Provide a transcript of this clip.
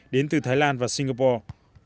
đến từ thái lan và singapore